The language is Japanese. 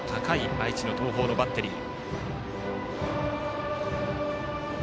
愛知の東邦バッテリー。